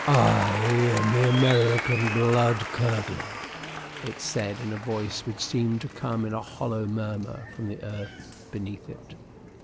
"I am the American blood curdler," it said, in a voice which seemed to come in a hollow murmur from the earth beneath it.